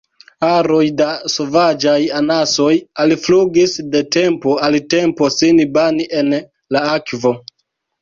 Aroj da sovaĝaj anasoj alflugis de tempo al tempo sin bani en la akvo.